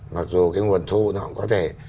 mặc dù cái nguồn thu nó có thể